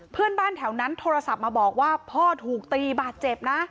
เพื่อนบ้านแถวนั้นโทรศัพท์มาบอกว่าพ่อถูกตีบาดเจ็บนะ